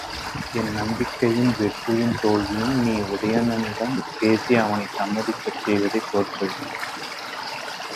என் நம்பிக்கையின் வெற்றியும் தோல்வியும், நீ உதயணனிடம் பேசி அவனைச் சம்மதிக்கச் செய்வதைப் பொறுத்தது!